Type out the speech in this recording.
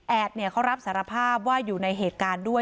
เขารับสารภาพว่าอยู่ในเหตุการณ์ด้วย